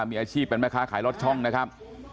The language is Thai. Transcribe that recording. มีอาชีพเป็นแม่ค้าขายรถช่องนะครับ